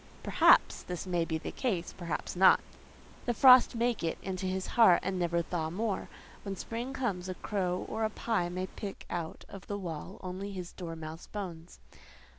Perhaps this may be the case, perhaps not: the frost may get into his heart and never thaw more; when spring comes, a crow or a pie may pick out of the wall only his dormouse bones.